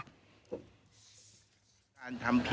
พลเอกประวิดท่านย้ำว่าสิ่งที่ให้สัมภาษณ์ไป